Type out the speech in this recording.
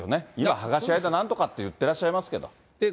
剥がし合いだなんとかって言ってらっしゃいますけれども。